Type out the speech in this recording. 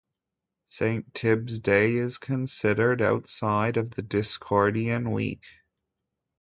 Saint Tib's day is considered outside of the Discordian week.